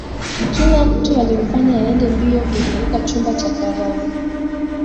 kila mtu alimfanya aende mbio kuzunguka chumba cha karamu